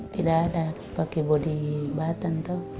tidak ada pakai bodi batang tuh